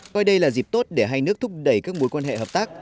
coi đây là dịp tốt để hai nước thúc đẩy các mối quan hệ hợp tác